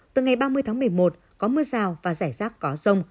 từ ngày ba mươi tháng một mươi một có mưa rào và rải rác có rông